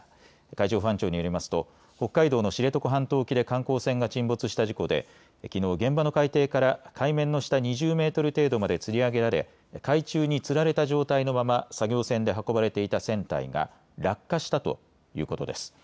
海上保安庁によりますと北海道の知床半島沖で観光船が沈没した事故できのう現場の海底から海面の下２０メートル程度までつり上げられ海中につられた状態のまま作業船で運ばれていた船体が落下したということです。